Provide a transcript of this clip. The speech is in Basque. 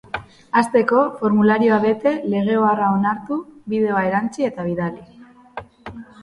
Hasteko, formularioa bete, lege oharra onartu, bideoa erantsi eta bidali.